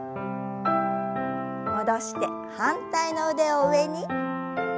戻して反対の腕を上に。